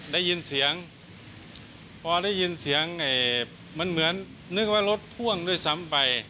ได้ยินเสียงพอได้ยินเสียงมันเหมือนนึกว่ารถพ่วงด้วยซ้ำไป